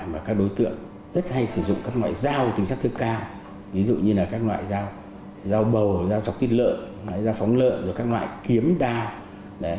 ví dụ như là các loại dao bầu dao trọc tiết lợn dao phóng lợn các loại kiếm đao